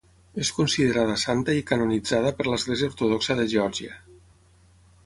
És considerada santa i canonitzada per l'Església Ortodoxa de Geòrgia.